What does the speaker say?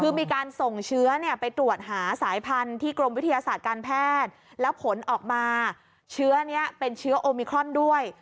คือมีการส่งเชื้อไปตรวจหาสายพันธุ์ที่กรมวิทยาศาสตร์การแพทย์แล้วผลออกมาเชื้อนี้เป็นเชื้อโอมิครอนด้วย